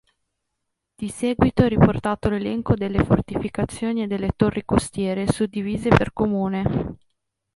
Di seguito è riportato l'elenco delle fortificazioni e delle torri costiere suddivise per comune.